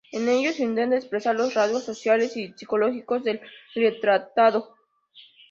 En ellos intenta expresar los rasgos sociales y psicológicos del retratado.